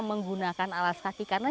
menggunakan alas kaki karena